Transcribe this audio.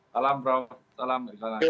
salam prof salam